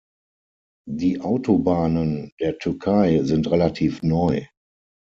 Die Autobahnen der Türkei sind relativ neu.